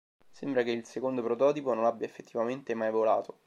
Sembra che il secondo prototipo non abbia, effettivamente, mai volato.